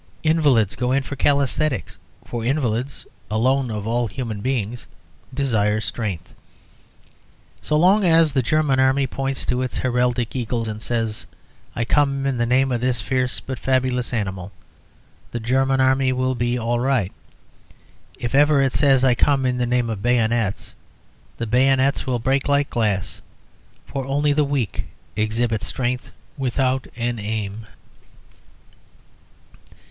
Invalids go in for calisthenics; for invalids (alone of all human beings) desire strength. So long as the German Army points to its heraldic eagle and says, "I come in the name of this fierce but fabulous animal," the German Army will be all right. If ever it says, "I come in the name of bayonets," the bayonets will break like glass, for only the weak exhibit strength without an aim.